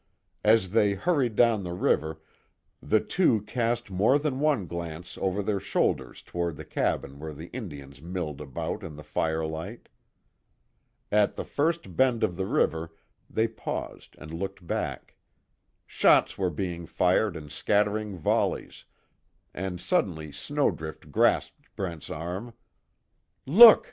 As they hurried down the river, the two cast more than one glance over their shoulders toward the cabin where the Indians milled about in the firelight. At the first bend of the river, they paused and looked back. Shots were being fired in scattering volleys, and suddenly Snowdrift grasped Brent's arm: "Look!"